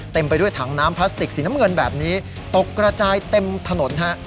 ไปด้วยถังน้ำพลาสติกสีน้ำเงินแบบนี้ตกกระจายเต็มถนนฮะ